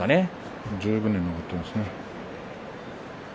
十分に残っています。